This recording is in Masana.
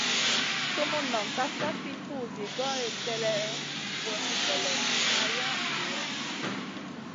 Sumun noŋ kaf fi tuzi goy kélèʼèh, vun goloŋ ma yaʼ Guhra.